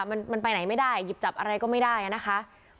มันไปไหนไม่ได้หยิบจับอะไรก็ไม่ได้นะคะ